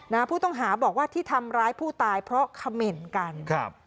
นะฮะผู้ต้องหาบอกว่าที่ทำร้ายผู้ตายเพราะเขม่นกันครับ